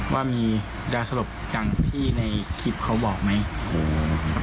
ว่ามียาสลบอย่างที่ในคลิปเขาบอกไหม